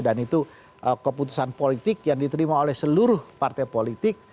dan itu keputusan politik yang diterima oleh seluruh partai politik